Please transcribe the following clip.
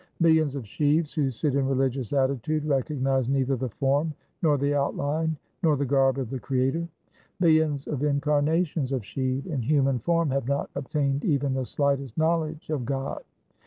Millions of Shivs who sit in religious attitude recognize neither the form, nor the outline, nor the garb of the Creator. Millions of incarnations of Shiv in human form have not obtained even the slightest knowledge of God.